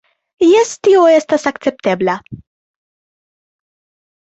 Jes, tio estas akceptebla